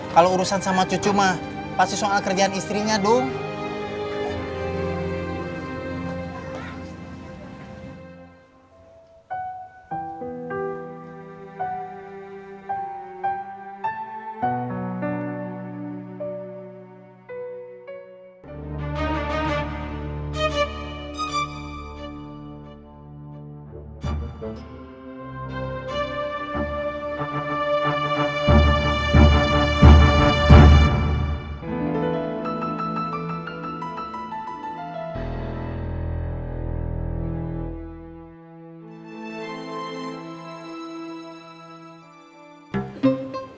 kalau urusan sama cucu mah pasti soal kerjaan istrinya dong